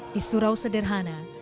di surau sederhana